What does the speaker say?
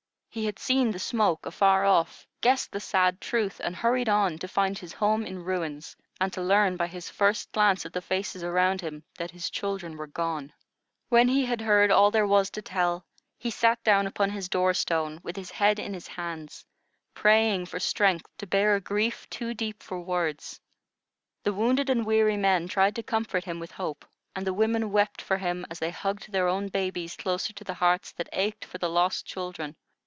He had seen the smoke afar off, guessed the sad truth, and hurried on, to find his home in ruins, and to learn by his first glance at the faces around him that his children were gone. When he had heard all there was to tell, he sat down upon his door stone with his head in his hands, praying for strength to bear a grief too deep for words. The wounded and weary men tried to comfort him with hope, and the women wept with him as they hugged their own babies closer to the hearts that ached for the lost children.